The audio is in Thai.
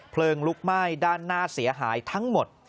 ลุกไหม้ด้านหน้าเสียหายทั้งหมด